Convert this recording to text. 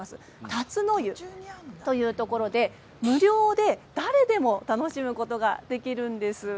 辰の湯というところで無料で誰で楽しむことができるんです。